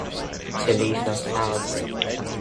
To leave nostalgia.